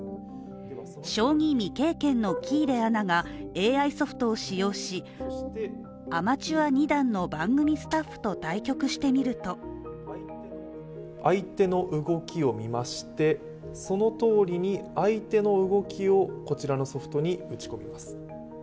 将棋未経験の喜入アナがＡＩソフトを使用し、アマチュア二段の番組スタッフと対局してみると相手の動きを見まして、そのとおりに相手の動きをこちらのソフトに打ち込みます。